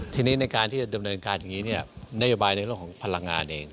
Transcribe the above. ทีนี้ในการที่จะดำเนินการอย่างนี้เนี่ยนโยบายในเรื่องของพลังงานเอง